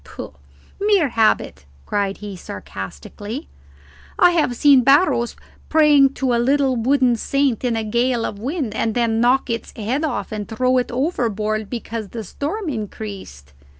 "Pooh, mere habit," cried he, sarcastically. "I have seen Barros praying to a little wooden saint in a gale of wind and then knock its head off and throw it overboard because the storm increased."